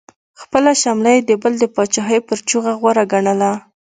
خپله شمله یې د بل د پاچاهۍ پر جوغه غوره ګڼله.